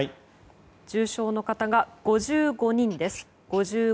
重症の方が５５人です。